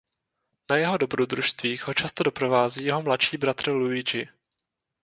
Na jeho dobrodružstvích ho často doprovází jeho mladší bratr Luigi.